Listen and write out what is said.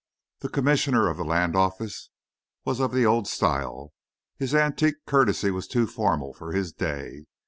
The Commissioner of the Land Office was of the old style; his antique courtesy was too formal for his day.